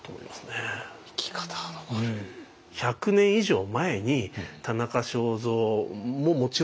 １００年以上前に田中正造ももちろんそうだし